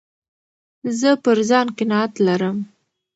زه پر ځان قناعت لرم.